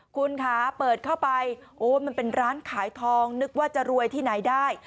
คุณคะเปิดเข้าไปโอ้มันเป็นร้านขายทองนึกว่าจะรวยที่ไหนได้